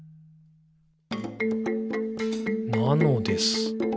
「なのです。」